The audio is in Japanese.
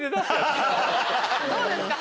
どうですか？